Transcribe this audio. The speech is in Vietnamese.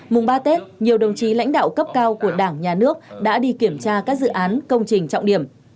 mùng ba tết nhiều đồng chí lãnh đạo cấp cao của đảng nhà nước đã đi kiểm tra các dự án công trình trọng điểm